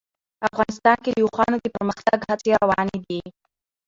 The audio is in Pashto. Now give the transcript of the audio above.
افغانستان کې د اوښانو د پرمختګ هڅې روانې دي.